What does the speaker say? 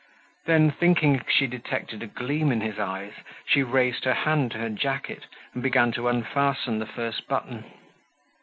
Then, thinking she detected a gleam in his eyes, she raised her hand to her jacket and began to unfasten the first button.